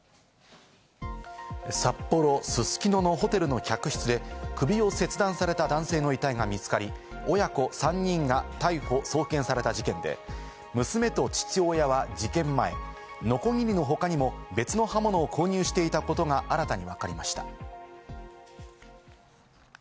札幌・すすきののホテルの客室で首を切断された男性の遺体が見つかり、親子３人が逮捕・送検された事件で、娘と父親は事件前、のこぎりの他にも別の刃物を購入していたことが新たにわかりました。